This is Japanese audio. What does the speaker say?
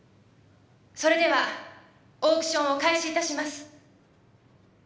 それではオークションを開始いたします。